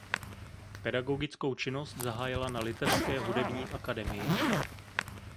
Pedagogickou činnost zahájila na "Litevské hudební akademii".